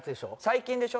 最近でしょ？